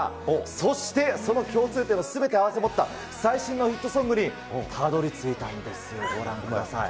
そしてその共通点をすべて併せ持った最新のヒットソングに、たどりついたんです、ご覧ください。